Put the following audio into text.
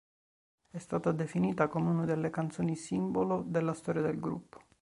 È stata definita come una delle canzoni "simbolo" della storia del gruppo.